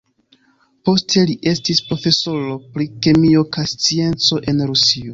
Poste li estis profesoro pri kemio kaj scienco en Rusio.